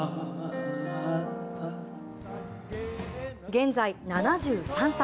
現在７３歳。